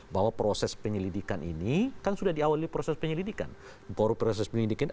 bahwa proses penyelidikan ini kan sudah di awal proses penyelidikan